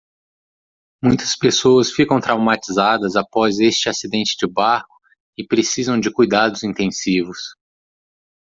Muitas pessoas ficam traumatizadas após este acidente de barco e precisam de cuidados intensivos.